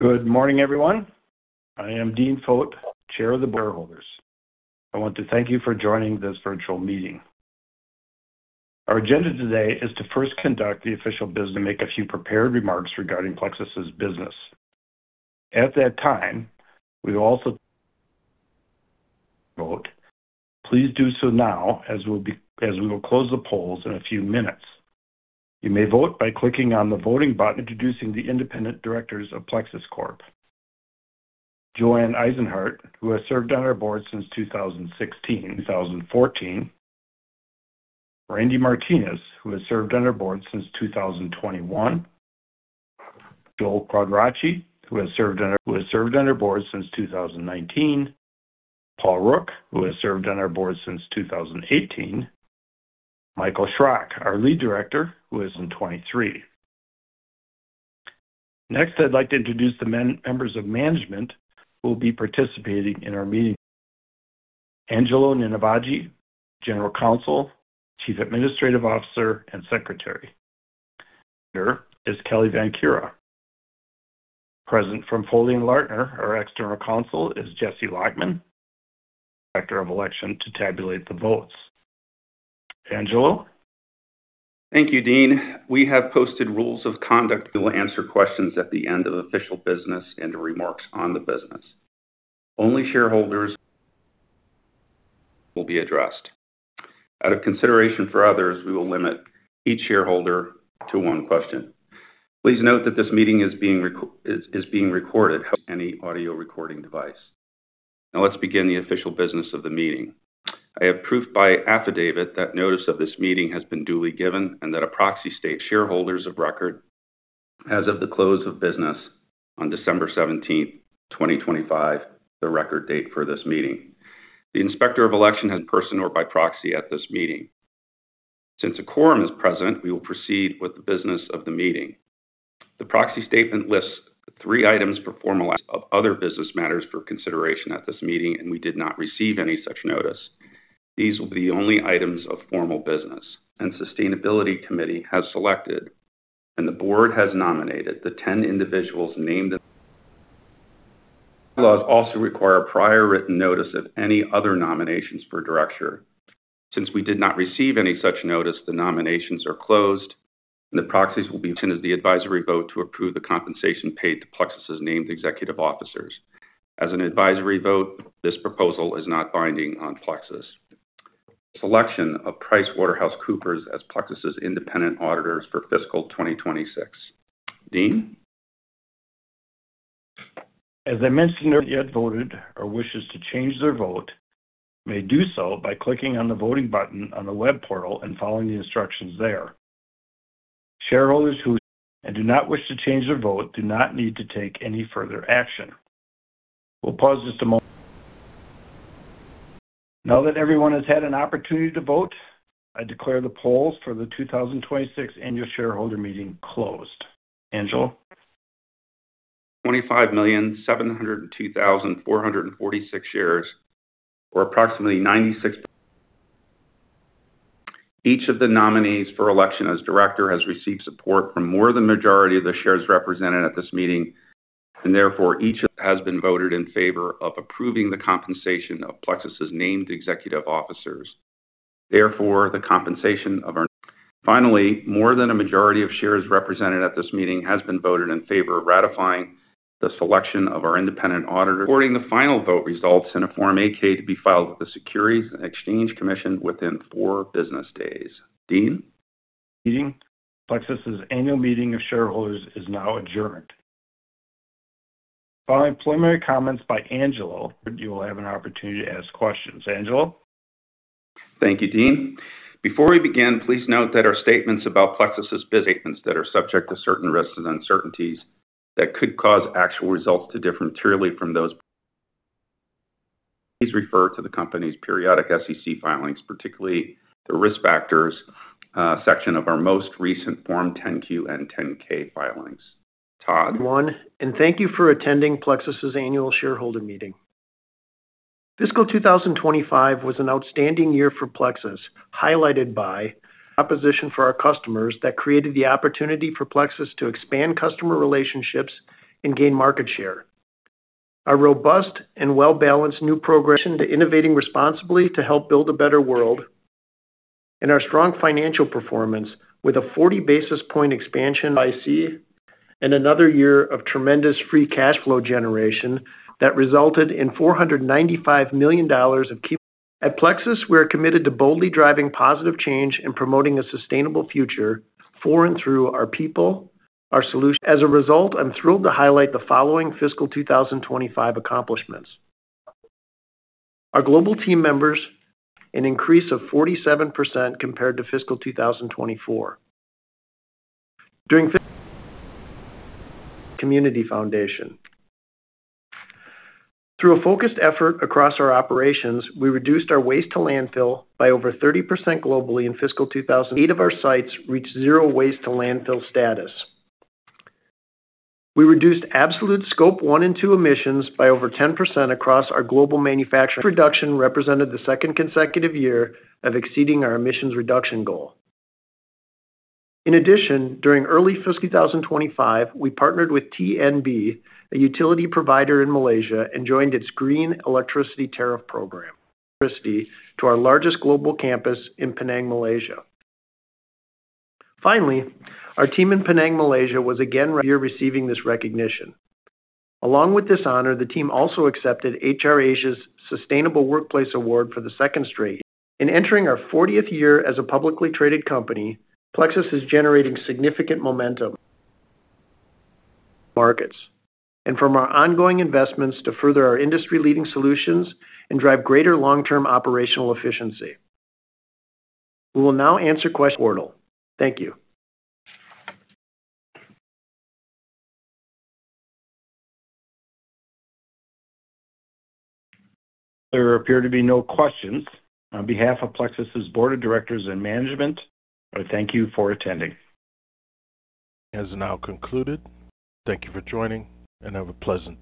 Good morning, everyone. I am Dean Foate, chair of the board of directors. I want to thank you for joining this virtual meeting. Our agenda today is to first conduct the official business, and make a few prepared remarks regarding Plexus's business. At that time, we will also... vote. Please do so now, as we will close the polls in a few minutes. You may vote by clicking on the voting button. Introducing the independent directors of Plexus Corp. Joann Eisenhart, who has served on our board since 2016... 2014. Randy Martinez, who has served on our board since 2021. Joel Quadracci, who has served on our board since 2019. Paul Rooke, who has served on our board since 2018. Michael Schrock, our Lead Director, who is in 2023. Next, I'd like to introduce the members of management who will be participating in our meeting. Angelo Ninivaggi, General Counsel, Chief Administrative Officer, and Secretary. Is Kelly Van Kira. Present from Foley & Lardner, our external counsel, is Jesse Lightman, Director of Election, to tabulate the votes. Angelo? Thank you, Dean. We have posted rules of conduct. We will answer questions at the end of official business and remarks on the business. Only shareholders will be addressed. Out of consideration for others, we will limit each shareholder to one question. Please note that this meeting is being recorded. Any audio recording device. Now, let's begin the official business of the meeting. I have proof by affidavit that notice of this meeting has been duly given and that a proxy states shareholders of record as of the close of business on December 17, 2025, the record date for this meeting. The Inspector of Election had person or by proxy at this meeting. Since a quorum is present, we will proceed with the business of the meeting. The proxy statement lists three items for formal... of other business matters for consideration at this meeting, and we did not receive any such notice. These will be the only items of formal business. The Sustainability Committee has selected, and the Board has nominated the 10 individuals named. Laws also require prior written notice of any other nominations for director. Since we did not receive any such notice, the nominations are closed, and the proxies will be attended the advisory vote to approve the compensation paid to Plexus's named executive officers. As an advisory vote, this proposal is not binding on Plexus. Selection of PricewaterhouseCoopers as Plexus's independent auditors for fiscal 2026. Dean? As I mentioned, those who haven't yet voted or wishes to change their vote, may do so by clicking on the voting button on the web portal and following the instructions there. Shareholders who do not wish to change their vote, do not need to take any further action. We'll pause just a moment. Now that everyone has had an opportunity to vote, I declare the polls for the 2026 Annual Shareholder Meeting closed. Angelo? 25,702,446 shares, or approximately 96%... Each of the nominees for election as director has received support from more than the majority of the shares represented at this meeting, and therefore, each has been voted in favor of approving the compensation of Plexus's named executive officers. Therefore, the compensation of our-- Finally, more than a majority of shares represented at this meeting has been voted in favor of ratifying the selection of our independent auditor. Reporting the final vote results in a Form 8-K to be filed with the Securities and Exchange Commission within four business days. Dean? Meeting, Plexus's Annual Meeting of Shareholders is now adjourned. Following preliminary comments by Angelo, you will have an opportunity to ask questions. Angelo? Thank you, Dean. Before we begin, please note that our statements about Plexus's business that are subject to certain risks and uncertainties that could cause actual results to differ materially from those. Please refer to the company's periodic SEC filings, particularly the Risk Factors section of our most recent Form 10-Q and 10-K filings. Todd? One, and thank you for attending Plexus's Annual Shareholder Meeting. Fiscal 2025 was an outstanding year for Plexus, highlighted by proposition for our customers that created the opportunity for Plexus to expand customer relationships and gain market share. Our robust and well-balanced new progression to innovating responsibly to help build a better world, and our strong financial performance with a 40 basis point expansion IC, and another year of tremendous free cash flow generation that resulted in $495 million of key- At Plexus, we are committed to boldly driving positive change and promoting a sustainable future for and through our people, our solutions. As a result, I'm thrilled to highlight the following fiscal 2025 accomplishments. Our global team members, an increase of 47% compared to fiscal 2024. During... Community Foundation. Through a focused effort across our operations, we reduced our waste to landfill by over 30% globally in fiscal 2020. Eight of our sites reached zero waste to landfill status. We reduced absolute Scope 1 and 2 emissions by over 10% across our global manufacturing. This reduction represented the second consecutive year of exceeding our emissions reduction goal. In addition, during early FY 2025, we partnered with TNB, a utility provider in Malaysia, and joined its Green Electricity Tariff program. Electricity to our largest global campus in Penang, Malaysia. Finally, our team in Penang, Malaysia, was again receiving this recognition. Along with this honor, the team also accepted HR Asia's Sustainable Workplace Award for the second straight. In entering our 40th year as a publicly traded company, Plexus is generating significant momentum markets. From our ongoing investments to further our industry-leading solutions and drive greater long-term operational efficiency. We will now answer questions portal. Thank you. There appear to be no questions. On behalf of Plexus's Board of Directors and Management, I thank you for attending. The meeting has now concluded. Thank you for joining, and have a pleasant day.